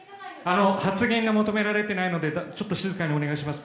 発言が求められていないので静かにお願いします。